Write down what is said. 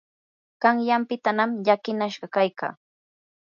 qanyanpitanam llakinashqa kaykaa.